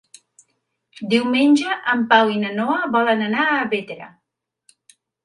Diumenge en Pau i na Noa volen anar a Bétera.